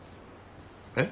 えっ？